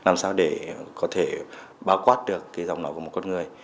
làm sao để có thể bao quát được cái giọng nói của một con người